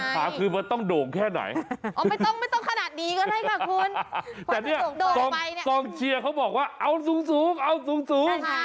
แต่เนี่ยกองเชียเขาบอกว่าเอาสูงเอาสูง